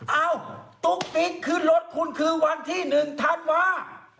เอ้าตุ๊กติ๊กขึ้นรถคุณคือวันที่หนึ่งธันวา